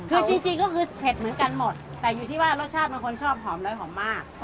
คือจริงก็คือเผ็ดเหมือนกันหมดแต่อยู่ที่ว่ารสชาติเป็นคนชอบหอมและหอมมาก